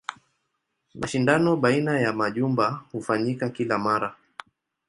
Mashindano baina ya majumba hufanyika kila mara.